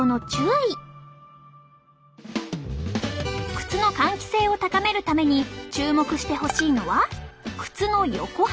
靴の換気性を高めるために注目してほしいのは靴の横幅。